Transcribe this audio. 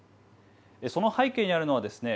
その背景にあるのはですね